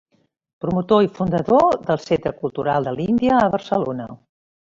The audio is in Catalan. Promotor i fundador del Centre Cultural de l'Índia a Barcelona.